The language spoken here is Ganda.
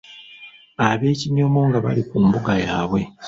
Ab’Ekinyomo nga bali ku mbuga yaabwe.